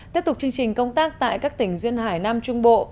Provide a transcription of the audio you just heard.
tiếp tục chương trình công tác tại các tỉnh duyên hải nam trung bộ